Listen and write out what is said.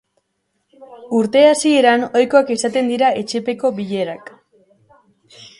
Urte hasieran ohikoak izaten dira etxepeko bilerak.